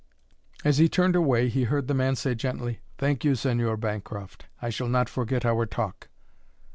As he turned away he heard the man say gently, "Thank you, Señor Bancroft. I shall not forget our talk."